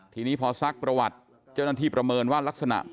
ทีนี้พอซักประวัติเจ้าหน้าที่ประเมินว่ารักษณะ